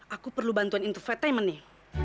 aku perlu bantuan interfatainment nih